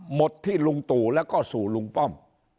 หมดที่ลุงตู่แล้วก็สู่ลุงป้อม